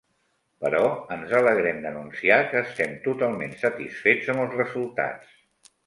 Però ens alegrem d'anunciar que estem totalment satisfets amb els resultats.